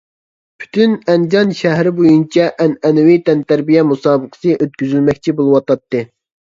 پۈتۈن ئەنجان شەھىرى بويىچە ئەنئەنىۋى تەنتەربىيە مۇسابىقىسى ئۆتكۈزۈلمەكچى بولۇۋاتاتتى.